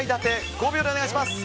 ５秒でお願いします。